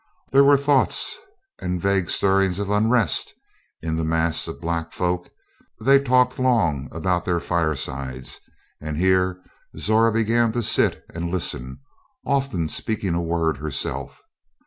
There were thoughts and vague stirrings of unrest in this mass of black folk. They talked long about their firesides, and here Zora began to sit and listen, often speaking a word herself.